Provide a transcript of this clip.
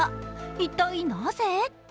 一体なぜ？